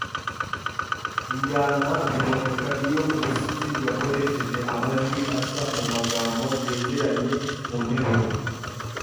Injyana biboneka iyo umusizi yakoresheje amajwi asa mu magamo yegeranye mu nteruro